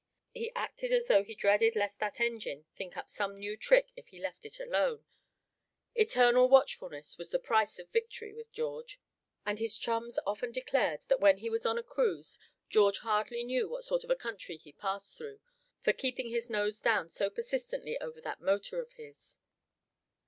He acted as though he dreaded lest that engine think up some new trick if he left it alone; eternal watchfulness was the price of victory with George; and his chums often declared that when he was on a cruise George hardly knew what sort of country he passed through, for keeping his nose down so persistently over that motor of his.